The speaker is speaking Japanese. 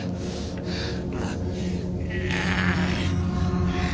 ああ！